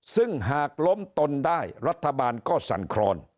ซึ่งหากล้มตนได้รัฐบาลก็สั่นครอน